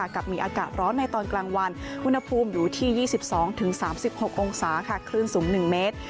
กับมีอากาศร้อนในตอนกลางวันอุณหภูมิอยู่ที่๒๒๓๖องศาคลื่นสูง๑เมตร